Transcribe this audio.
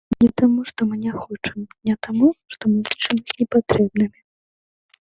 Не таму, што мы не хочам, не таму, што мы лічым іх непатрэбнымі.